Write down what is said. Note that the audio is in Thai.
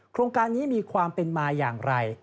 โครงการนี้มีความเป็นมาอย่างไร